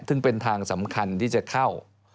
ซึ่งเป็นทางสำคัญที่จะเข้า